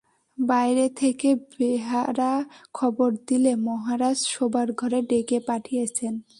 বাইরে থেকে বেহারা খবর দিলে মহারাজ শোবার ঘরে ডেকে পাঠিয়েছেন।